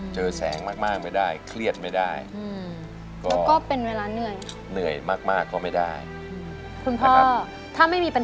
คุณพ่อถ้าไม่มีปัญหานิสินตรงนี้เราจะเบาเลยไหมชีวิต